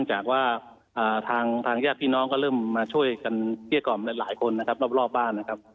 จากว่าทางญาติพี่น้องก็เริ่มมาช่วยกันเกลี้ยกล่อมหลายคนนะครับรอบบ้านนะครับ